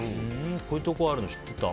こういうところがあるの知ってた？